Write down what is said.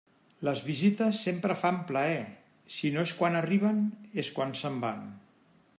Les visites sempre fan plaer; si no és quan arriben, és quan se'n van.